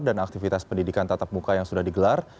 dan aktivitas pendidikan tatap muka yang sudah digelar